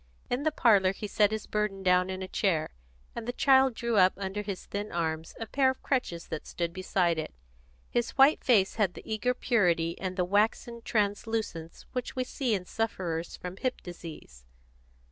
In the parlour he set his burden down in a chair, and the child drew up under his thin arms a pair of crutches that stood beside it. His white face had the eager purity and the waxen translucence which we see in sufferers from hip disease.